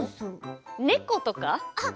猫とか？